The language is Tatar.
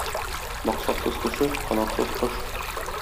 Максатсыз кеше – канатсыз кош.